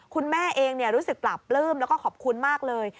คุณแม่เองรู้สึกปราบปลื้มแล้วก็ขอบคุณมากเลย